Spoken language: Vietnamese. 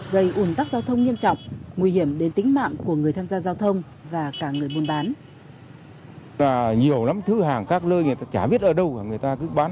gây ủn tắc giao thông nghiêm trọng nguy hiểm đến tính mạng của người tham gia giao thông và cả người buôn bán